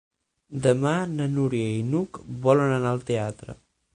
Demà na Núria i n'Hug volen anar al teatre.